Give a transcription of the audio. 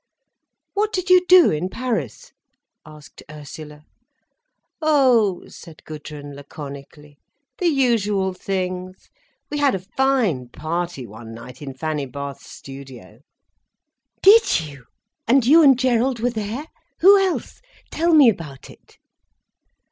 "What did you do in Paris?" asked Ursula. "Oh," said Gudrun laconically—"the usual things. We had a fine party one night in Fanny Bath's studio." "Did you? And you and Gerald were there! Who else? Tell me about it."